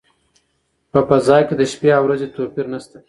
په فضا کې د شپې او ورځې توپیر نشته.